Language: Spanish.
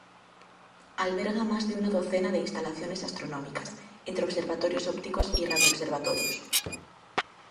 Alberga más de una docena de instalaciones astronómicas, entre observatorios ópticos y radio observatorios.